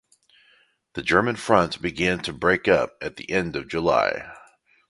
The German front began to break up at the end of July.